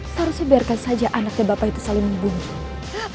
seharusnya biarkan saja anaknya bapak itu saling membunuh